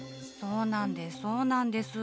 そうなんですなんです。